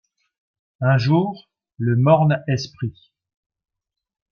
Un jour, le morne esprit… »